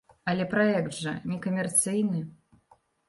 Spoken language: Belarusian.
Але праект жа некамерцыйны.